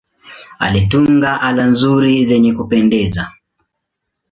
Alitunga ala nzuri zenye kupendeza.